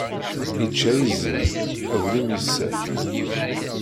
Yečča izem, aglim yessa-t.